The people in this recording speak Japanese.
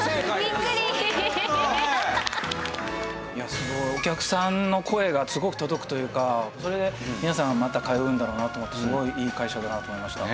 すごいお客さんの声がすごく届くというかそれで皆さんがまた通うんだろうなと思ってすごいいい会社だなと思いました。